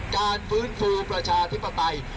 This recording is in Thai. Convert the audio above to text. การฟื้นฟูประชาธิปไตย